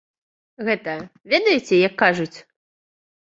Гэта, ведаеце, як кажуць?